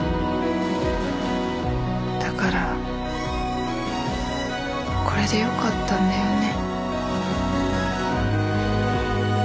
「だからこれでよかったんだよね？」。